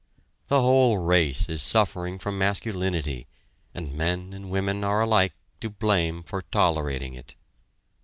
The whole race is suffering from masculinity; and men and women are alike to blame for tolerating it.